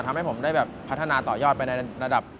ทำให้ผมได้แบบพัฒนาต่อยอดไปในระดับ